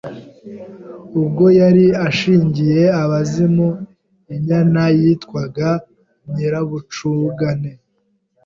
ubwo yari anshyingiye abazimu; inyana yitwaga nyirabucugane,